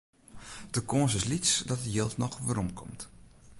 De kâns is lyts dat it jild noch werom komt.